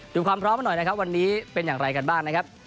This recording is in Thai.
ดูความพร้อมมาหน่อยวันนี้เป็นอย่างไรกันบ้าง